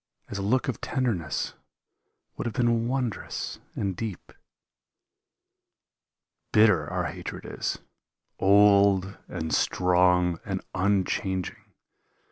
As a look of tenderness would have been wondrous and deep. Bitter our hatred is, old and strong and unchanging.